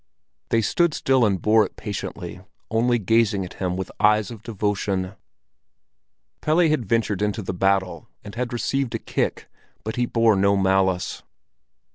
They stood still and bore it patiently, only gazing at him with eyes of devotion. Pelle had ventured into the battle and had received a kick, but he bore no malice.